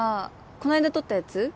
この間撮ったやつ？